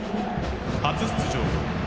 初出場。